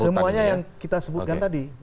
semuanya yang kita sebutkan tadi